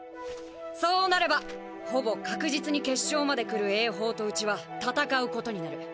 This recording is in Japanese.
そうなればほぼ確実に決勝まで来る英邦とうちは戦うことになる。